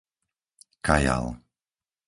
Kajal